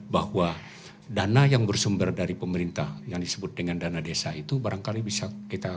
bahwa dana yang bersumber dari pemerintah yang disebut dengan dana desa itu barangkali bisa kita